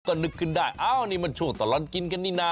ก็นึกขึ้นได้อ้าวนี่มันช่วงตลอดกินกันนี่นะ